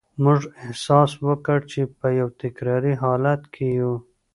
موږ احساس وکړ چې په یو تکراري حالت کې یو